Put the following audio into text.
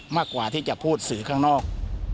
มากกว่าที่จะพูดสื่อข้างนอก